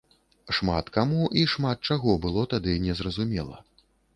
Шмат каму і шмат чаго было тады незразумела.